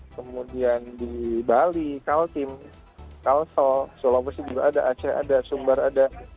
kemudian di bali kaltim kalsel sulawesi juga ada aceh ada sumbar ada